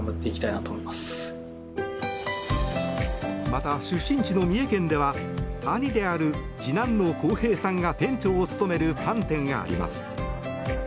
また、出身地の三重県では兄である次男の晃平さんが店長を務めるパン店があります。